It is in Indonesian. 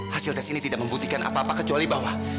hasil tes ini tidak membuktikan apa apa kecuali bawah